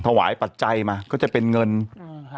ถวายปัจจัยมาก็จะเป็นเงินอืม